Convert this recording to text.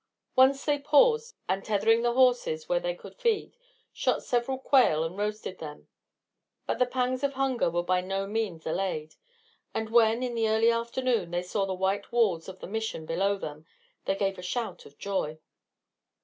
Once they paused, and tethering the horses where they could feed, shot several quail and roasted them. But the pangs of hunger were by no means allayed, and when, in the early afternoon, they saw the white walls of the Mission below them, they gave a shout of joy.